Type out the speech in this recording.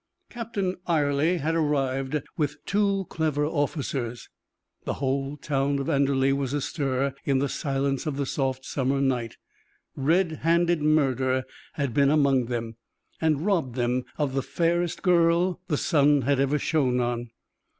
Captain Ayrley had arrived with two clever officers; the whole town of Anderley was astir: in the silence of the soft summer night, red handed murder had been among them, and robbed them of the fairest girl the sun had ever shone on.